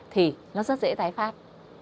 thì nó rất dễ tái phát